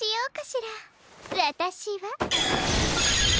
わたしは。